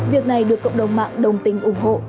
việc này được cộng đồng mạng đồng tình ủng hộ